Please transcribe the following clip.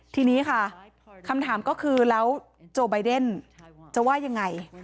ทีนี้ค่ะคำถามก็คือแล้วโจไบเดนจะว่ายังไง